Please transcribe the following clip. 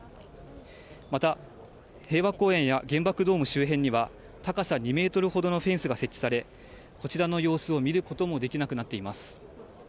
また、平和公園や原爆ドーム周辺には、高さ２メートルほどのフェンスが設置され、こちらの様子を見ることもできなくなっています。